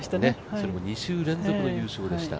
それも２週連続の優勝でした